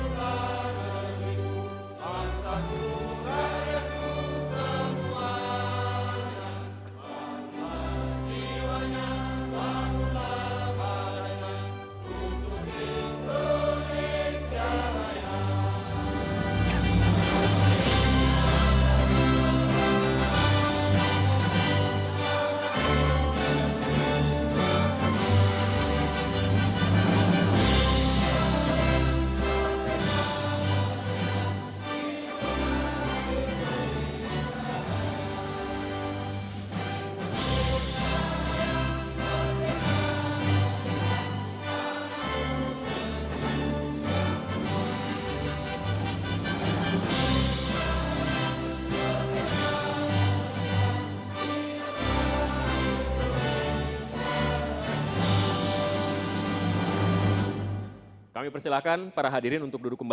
dari maju hidupku